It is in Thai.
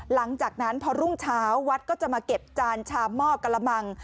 หลังจากนั้นพอรุ่งเช้าวัดก็จะมาเก็บจานชามหม้อกระมัง